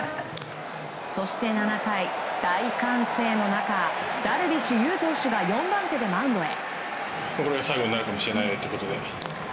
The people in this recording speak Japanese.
そして７回、大歓声の中ダルビッシュ有投手が４番手でマウンドへ。